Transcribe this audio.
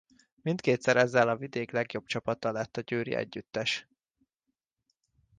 Mindkétszer ezzel a vidék legjobb csapata lett a győri együttes.